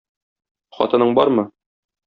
Хатының бармы?